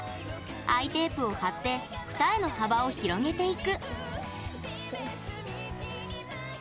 アイテープを張って二重の幅を広げていく。